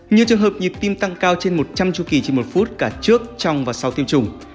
nhiều trường hợp nhịp tim tăng cao trên một trăm linh chu kỳ trên một phút cả trước trong và sau tiêm chủng